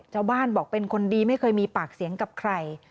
ชาวบ้านบอกเป็นคนดีไม่เคยมีปากเสียงกับใคร